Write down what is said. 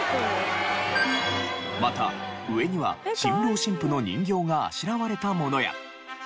また上には新郎新婦の人形があしらわれたものや。